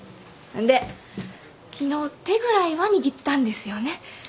で昨日手ぐらいは握ったんですよね。